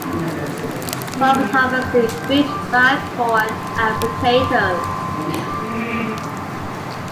Farmers harvested wheat, rye, corn, and potatoes.